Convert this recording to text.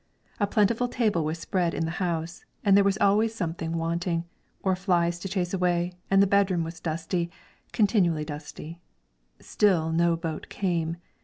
A plentiful table was spread in the house, and there was always something wanting, or flies to chase away, and the bedroom was dusty, continually dusty. Still no boat came.